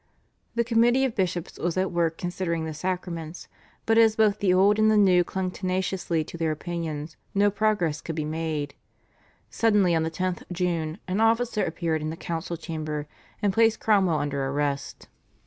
The committee of bishops was at work considering the sacraments, but as both the old and the new clung tenaciously to their opinions no progress could be made. Suddenly on the 10th June an officer appeared in the council chamber and placed Cromwell under arrest.